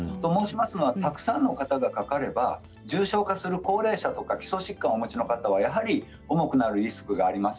たくさんの方がかかれば重症化する高齢者とか基礎疾患をお持ちの方はやはり重くなるリスクがあります。